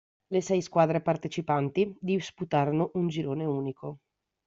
Le sei squadre partecipanti disputarono un girone unico.